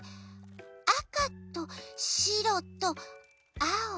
あかとしろとあお。